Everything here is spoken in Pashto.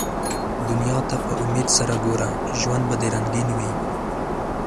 دنیا ته په امېد سره ګوره ، ژوند به دي رنګین وي